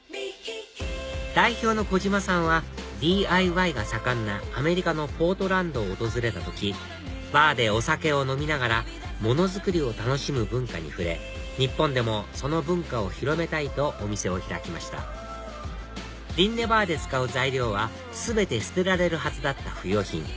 代表の小島さんはＤＩＹが盛んなアメリカのポートランドを訪れた時バーでお酒を飲みながら物作りを楽しむ文化に触れ日本でもその文化を広めたいとお店を開きましたＲｉｎｎｅｂａｒで使う材料は全て捨てられるはずだった不用品